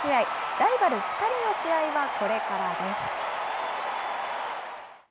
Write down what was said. ライバル２人の試合はこれからです。